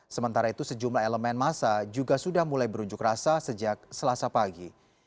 sementara itu sejumlah elemen masa juga sudah mulai berunjuk rasa sejak selasa pagi